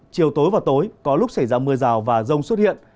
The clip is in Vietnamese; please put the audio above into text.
chiều tối và tối có lúc xảy ra mưa rào và rông xuất hiện